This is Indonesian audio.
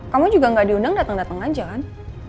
kamu juga gak diundang dateng dateng aja kan